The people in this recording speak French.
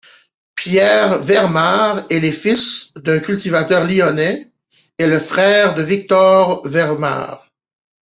Pierre Vermare est le fils d'un cultivateur lyonnais et le frère de Victor Vermare.